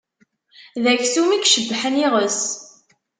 D aksum i icebbḥen iɣes.